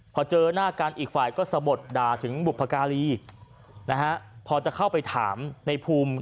พอเจอหน้ากันอีกฝ่ายก็สะบดด่าถึงบุพการีนะฮะพอจะเข้าไปถามในภูมิ